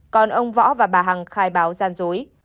còn ông võ và bà hằng khai báo gian dối